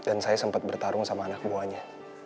dan saya sempet bertarung sama anak buahnya